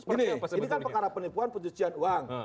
ini kan perkara penipuan pencucian uang